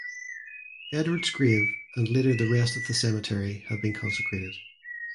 Edwards grave and later the rest of the cemetery have been consecrated.